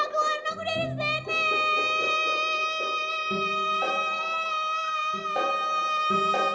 keluarin aku dari sini